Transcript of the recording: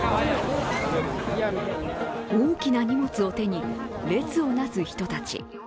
大きな荷物を手に列をなす人たち。